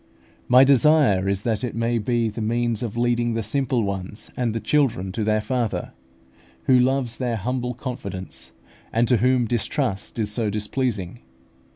My desire is that it may be the means of leading the simple ones and the children to their Father, who loves their humble confidence, and to whom distrust is so displeasing.